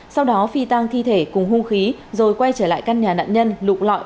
sau đó phi tang thi thể cùng hung khí rồi quay trở lại căn nhà nạn nhân lục lọi